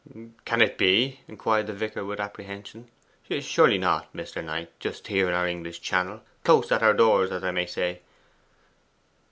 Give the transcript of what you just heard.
'Can it be?' inquired the vicar with apprehension. 'Surely not, Mr. Knight, just here in our English Channel close at our doors, as I may say.